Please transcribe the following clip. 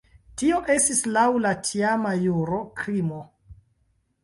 Tio estis laŭ la tiama juro krimo.